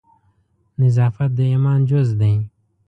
نظافت د ایمان جزء دی.